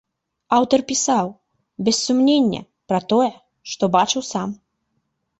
Аўтар пісаў, без сумнення, пра тое, што бачыў сам.